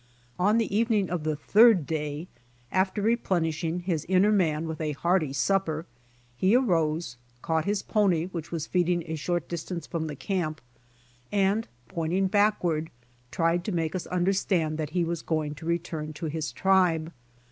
On the evening of the third day, after replenishing his inner man with a hearty sup per, he arose, caught his pony which was feeding a short distance from the camp, and, pointing back ward, tried to make us understand that he was going to return to his tribe.